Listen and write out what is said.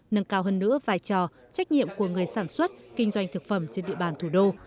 nâng cao hơn nữa vai trò trách nhiệm của người sản xuất kinh doanh thực phẩm trên địa bàn thủ đô